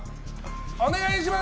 お願いします！